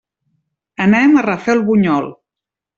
Anem a Rafelbunyol.